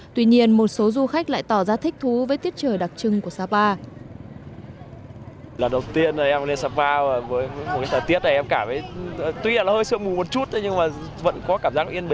tuy nhiên một số du khách lại tỏ ra thích thú với tiết trời đặc trưng của sapa